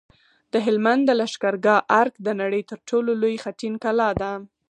د هلمند د لښکرګاه ارک د نړۍ تر ټولو لوی خټین کلا ده